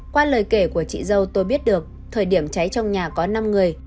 qua lời kể của chị dâu tôi biết được thời điểm cháy trong nhà có năm người